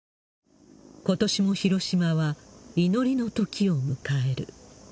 ことしも広島は祈りの時を迎える。